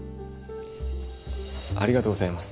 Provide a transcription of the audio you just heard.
ありがとうございます。